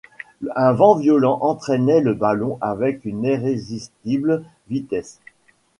Un vent violent entraînait le ballon avec une irrésistible vitesse!